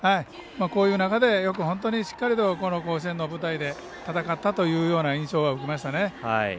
こういう中で本当にしっかり甲子園の舞台で戦ったなという印象は受けましたね。